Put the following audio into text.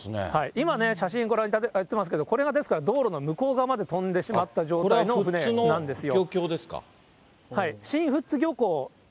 今ね、写真ご覧いただいてますけど、これが、ですから道路の向こう側まで飛んでしまった状態の船なんですよ。